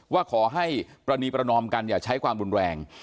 ว่าขอให้ปรณีประนอมกันอย่าใช้ความรุนแรง